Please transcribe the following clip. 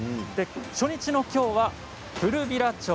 初日のきょうは古平町。